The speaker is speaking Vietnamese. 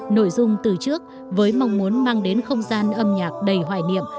nội dung từ trước với mong muốn mang đến không gian âm nhạc đầy hoài niệm